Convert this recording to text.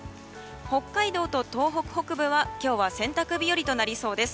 北海道と東北北部は今日は洗濯日和となりそうです。